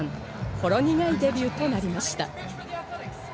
ほろ苦いデビューとなりました。